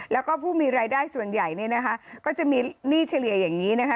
แล้วก็ผู้มีรายได้ส่วนใหญ่เนี่ยนะคะก็จะมีหนี้เฉลี่ยอย่างนี้นะคะ